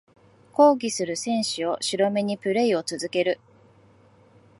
抗議する選手を尻目にプレイを続ける